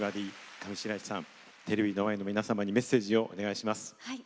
上白石さん、テレビの前の皆様にメッセージをお願いします。